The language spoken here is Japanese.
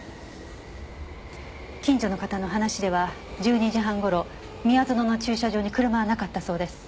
近所の方の話では１２時半頃宮園の駐車場に車はなかったそうです。